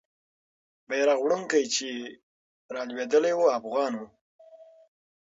بیرغ وړونکی چې رالوېدلی وو، افغان وو.